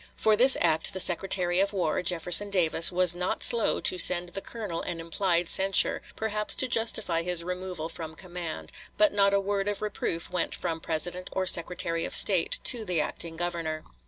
For this act the Secretary of War, Jefferson Davis, was not slow to send the colonel an implied censure, perhaps to justify his removal from command; but not a word of reproof went from President or Secretary of State to the acting Governor.